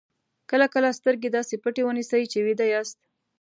کله کله سترګې داسې پټې ونیسئ چې ویده یاست.